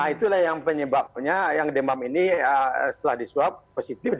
itulah yang penyebabnya yang demam ini setelah disuap positif